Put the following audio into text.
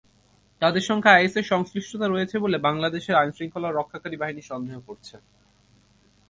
তাঁদের সঙ্গে আইএসের সংশ্লিষ্টতা রয়েছে বলে বাংলাদেশের আইনশৃঙ্খলা রক্ষাকারী বাহিনী সন্দেহ করছে।